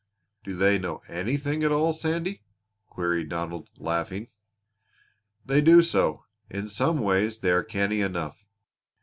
"Do they know anything at all, Sandy?" queried Donald, laughing. "They do so. In some ways they are canny enough.